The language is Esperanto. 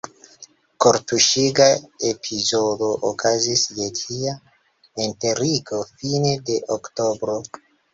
Kortuŝiga epizodo okazis je tia enterigo fine de Oktobro.